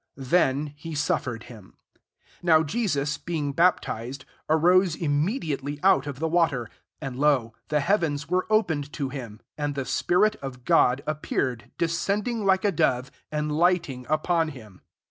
Then he suffered him. 16 Now Jesus being baptized, arose immedi ately out of the water ; and, lo, the heavens were opened to him, and the spirit of God appeared, descending like a dove, and lighting upon him.